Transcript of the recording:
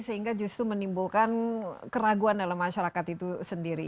sehingga justru menimbulkan keraguan dalam masyarakat itu sendiri